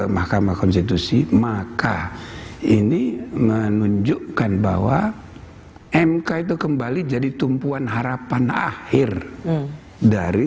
mahkamah konstitusi maka ini menunjukkan bahwa mk itu kembali jadi tumpuan harapan akhir dari